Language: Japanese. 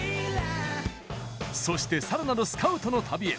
そして、さらなるスカウトの旅へ。